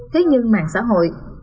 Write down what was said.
thế nhưng mạng xã hội tạo diễn đàn